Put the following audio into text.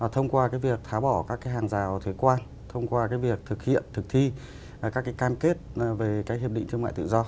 thông qua việc phá bỏ các hàng rào thuế quan thông qua việc thực hiện thực thi các cam kết về hiệp định thương mại tự do